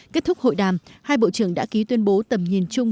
kết thúc hội đàm hai bộ trưởng đã ký tuyên bố tầm nhìn chung